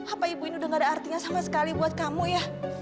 apa ibu ini udah gak ada artinya sama sekali buat kamu ya